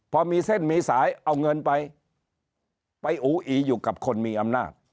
พอมีเส้นมีสายเอาเงินไปไปอูอีอยู่กับคนมีอำนาจ